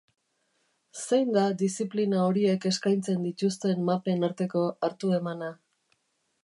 Zein da diziplina horiek eskaintzen dituzten mapen arteko hartu-emana?